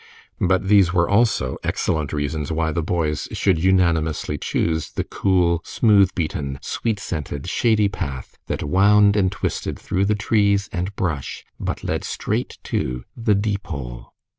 But these were also excellent reasons why the boys should unanimously choose the cool, smooth beaten, sweet scented, shady path that wound and twisted through the trees and brush, but led straight to the Deepole.